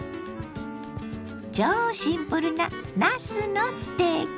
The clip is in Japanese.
超シンプルななすのステーキ。